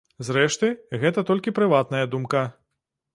Зрэшты, гэта толькі прыватная думка.